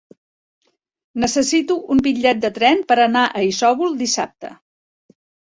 Necessito un bitllet de tren per anar a Isòvol dissabte.